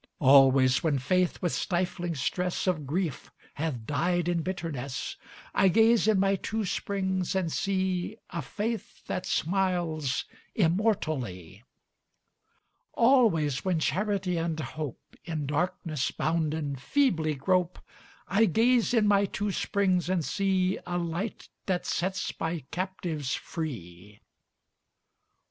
Always when Faith with stifling stress Of grief hath died in bitterness, I gaze in my two springs and see A Faith that smiles immortally. Always when Charity and Hope, In darkness bounden, feebly grope, I gaze in my two springs and see A Light that sets my captives free.